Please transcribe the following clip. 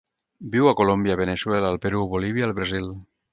Viu a Colòmbia, Veneçuela, el Perú, Bolívia i el Brasil.